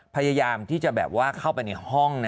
พยายามเข้าไปในห้อง